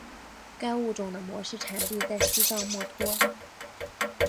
该物种的模式产地在西藏墨脱。